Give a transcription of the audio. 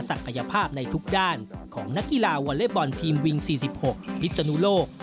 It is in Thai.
ศักยภาพในทุกด้านของนักกีฬาวอเล็กบอลทีมวิง๔๖พิศนุโลก